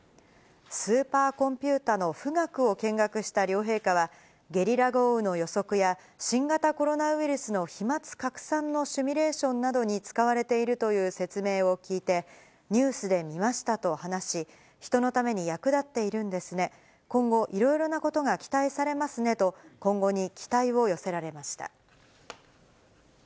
スーパーコンピュータの富岳を見学した両陛下は、ゲリラ豪雨の予測や、新型コロナウイルスの飛まつ拡散のシミュレーションなどに使われているという説明を聞いて、ニュースで見ましたと話し、人のために役立っているんですね、今後、いろいろなことが期待されますねと、今後に期待を寄せられました。